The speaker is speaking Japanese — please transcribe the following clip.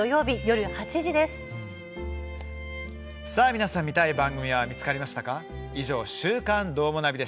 皆さん見たい番組は見つかりましたか？